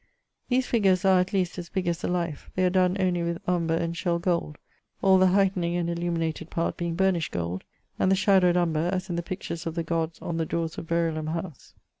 These figures are (at least) as big as the life, they are donne only with umbre and shell gold: all the heightning and illuminated part being burnisht gold, and the shadowed umbre, as in the pictures of the gods on the dores of Verolam house.